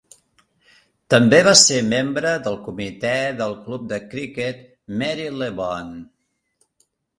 També va ser membre del comitè del club de criquet Marylebone.